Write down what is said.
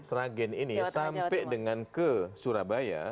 sragen ini sampai dengan ke surabaya